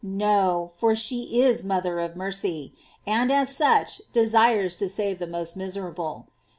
No, for she is mother of mercy; and as such, desires to save the most miserable.